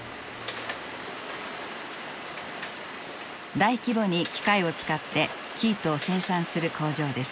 大規模に機械を使って生糸を生産する工場です。